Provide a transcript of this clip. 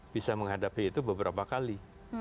bisa menghadapi itu beberapa kali